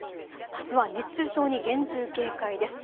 あすは熱中症に厳重警戒です。